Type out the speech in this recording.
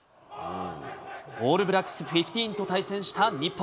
オールブラックスフィフティーンと対戦した日本。